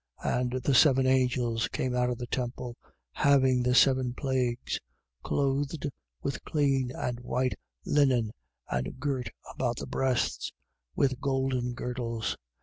15:6. And the seven angels came out of the temple, having the seven plagues, clothed with clean and white linen and girt about the breasts with golden girdles.